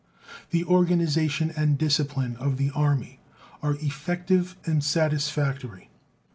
The organization and discipline of the Army are effective and satisfactory.